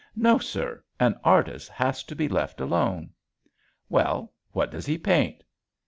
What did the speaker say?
No, sir, an artist has to be left alone." "Well, what does he paint?"